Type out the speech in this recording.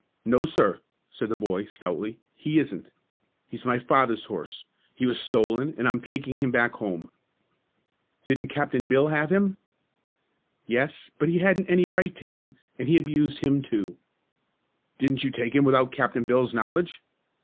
"No, sir," said the boy, stoutly; "he isn't. He's my father's horse! He was stolen, and I'm takin' him back home." "Didn't Captain Bill have him?" "Yes, but he hadn't any right to him, and he abused him, too." "Didn't you take him without Captain Bill's knowledge?"